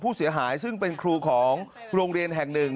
ผู้เสียหายซึ่งเป็นครูของโรงเรียนแห่งหนึ่ง